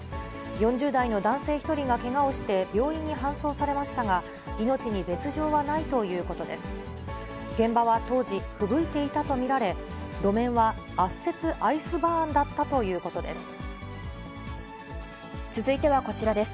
４０代の男性１人がけがをして病院に搬送されましたが、命に別状はないということです。